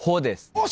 よし！